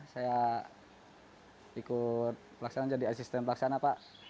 saya ikut pelaksanaan jadi asisten pelaksana pak